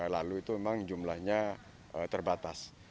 lalu itu memang jumlahnya terbatas